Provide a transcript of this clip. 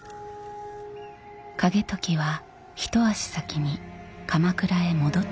景時は一足先に鎌倉へ戻ってきている。